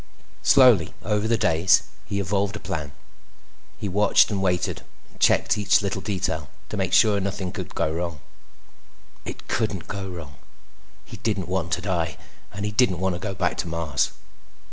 Slowly, over the days, he evolved a plan. He watched and waited and checked each little detail to make sure nothing would go wrong. It couldn't go wrong. He didn't want to die, and he didn't want to go back to Mars.